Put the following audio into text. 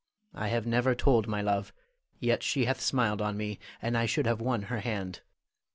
I have never told my love, yet she hath smiled on me, and I should have won her hand.